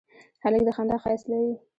هلک د خندا ښایست لري.